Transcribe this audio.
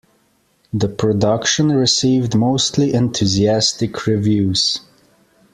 The production received mostly enthusiastic reviews.